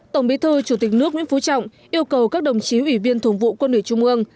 tổng bí thư chủ tịch nước nguyễn phú trọng yêu cầu các đồng chí ủy viên thường vụ quân ủy trung ương